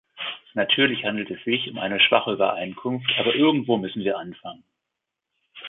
Natürlich handelt es sich um eine schwache Übereinkunft, aber irgendwo müssen wir anfangen.